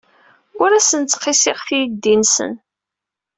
Ur asen-ttqissiɣ tiddi-nsen.